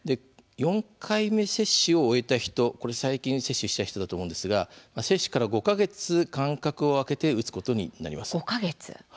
４回目接種を終えた人最近接種した人だと思うんですが接種から５か月間隔を空けて打つことになります。